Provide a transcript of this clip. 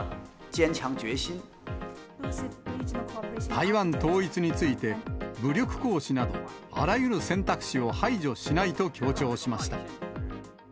台湾統一について、武力行使など、あらゆる選択肢を排除しないと強調しました。